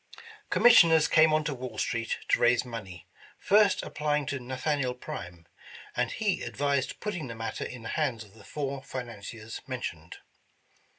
Commissioners came on to Wall street to raise money, first applying to Nathaniel Prime, and he advised put ting the matter in the hands of the four financiers men tioned.